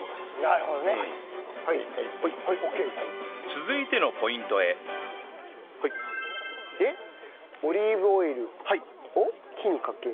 続いてのポイントへでオリーブオイルを火にかける？